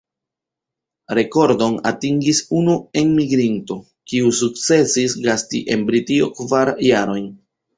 Rekordon atingis unu enmigrinto, kiu sukcesis gasti en Britio kvar jarojn.